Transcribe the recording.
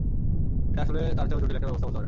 এটা আসলে তার চেয়েও জটিল একটা ব্যবস্থা বলতে পারেন।